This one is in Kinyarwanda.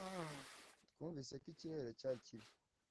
Twumvise ko ikirere cyari kibi